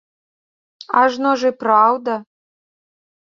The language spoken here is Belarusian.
Ажно ж і праўда.